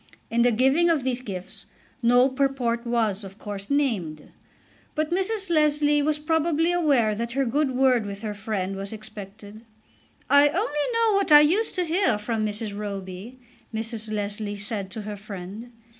In the giving of these gifts no purport was, of course, named, but Mrs. Leslie was probably aware that her good word with her friend was expected. "I only know what I used to hear from Mrs. Roby," Mrs. Leslie said to her friend.